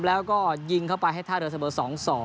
แล้วก็ยิงเข้าไปให้ท่าเรือเสมอ๒๒